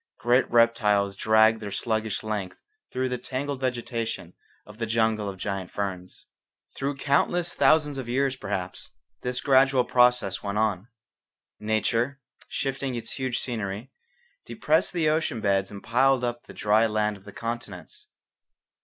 Great reptiles dragged their sluggish length through the tangled vegetation of the jungle of giant ferns. Through countless thousands of years, perhaps, this gradual process went on. Nature, shifting its huge scenery, depressed the ocean beds and piled up the dry land of the continents.